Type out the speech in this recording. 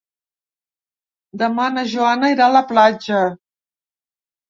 Demà na Joana irà a la platja.